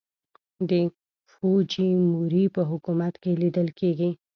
د فوجیموري په حکومت کې لیدل کېږي.